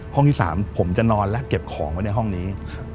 ที่๓ผมจะนอนและเก็บของไว้ในห้องนี้